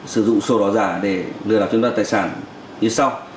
sử dụng sổ đỏ giả để lừa đảo chúng ta tài sản như sau